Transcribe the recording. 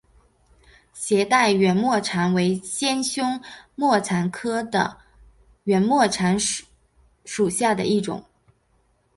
斜带圆沫蝉为尖胸沫蝉科圆沫蝉属下的一个种。